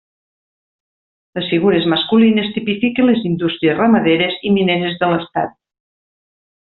Les figures masculines tipifiquen les indústries ramaderes i mineres de l'estat.